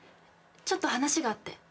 ちょっと話があって。